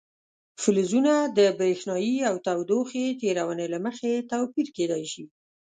فلزونه د برېښنايي او تودوخې تیرونې له مخې توپیر کیدای شي.